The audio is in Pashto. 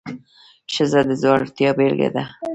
ښځه د زړورتیا بیلګه ده.